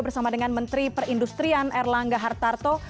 bersama dengan menteri perindustrian erlangga hartarto